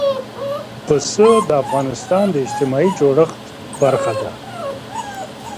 پسه د افغانستان د اجتماعي جوړښت برخه ده.